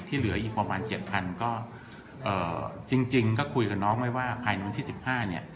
เหลืออีกประมาณเจ็ดพันก็เอ่อจริงจริงก็คุยกับน้องไว้ว่าภายในวันที่สิบห้าเนี่ย